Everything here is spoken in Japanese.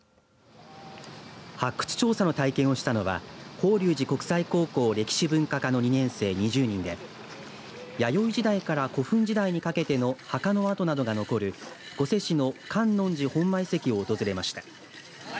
発掘調査の体験をしたのは法隆寺国際高校歴史文化科の２年生２０人で弥生時代から古墳時代にかけての墓の跡などが残る御所市の観音寺本馬遺跡を訪れました。